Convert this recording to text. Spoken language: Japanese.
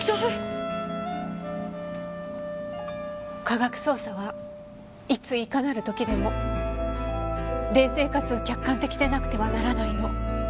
科学捜査はいついかなる時でも冷静かつ客観的でなくてはならないの。